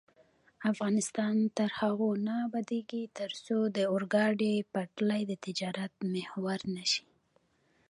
افغانستان تر هغو نه ابادیږي، ترڅو د اورګاډي پټلۍ د تجارت محور نشي.